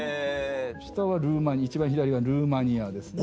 下はルーマニア一番左はルーマニアですね。